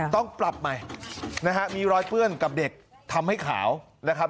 ต้องปรับใหม่นะฮะมีรอยเปื้อนกับเด็กทำให้ขาวนะครับ